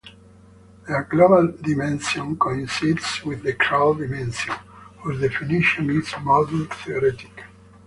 Their global dimension coincides with the Krull dimension, whose definition is module-theoretic.